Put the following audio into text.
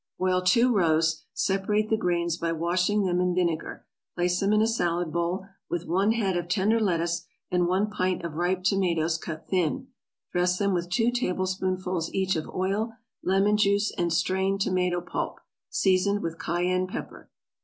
= Boil two roes, separate the grains by washing them in vinegar, place them in a salad bowl, with one head of tender lettuce and one pint of ripe tomatoes cut thin; dress them with two tablespoonfuls each of oil, lemon juice, and strained tomato pulp, seasoned with cayenne pepper.